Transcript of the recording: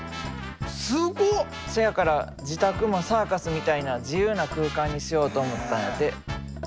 せやから自宅もサーカスみたいな自由な空間にしようと思ったんやて。